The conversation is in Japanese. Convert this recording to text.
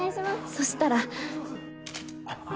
そしたら。